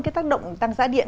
cái tác động tăng giá điện